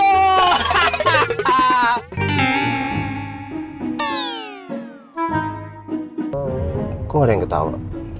kok gak ada yang ketawa